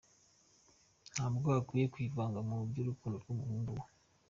Ntabwo akwiye kwivanga mu by’urukundo rw’umuhungu we.